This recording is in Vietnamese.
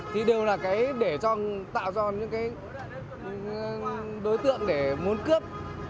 thì đều là để tạo cho những đối tượng muốn cướp